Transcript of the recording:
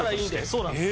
そうなんです。